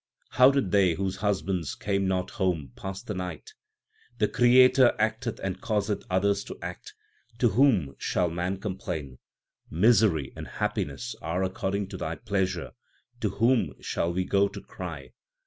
How did they whose husbands came not home pass the night ? The Creator acteth and causeth others to act ; to whom shall man complain ? Misery and happiness are according to Thy pleasure ; to whom shall we go to cry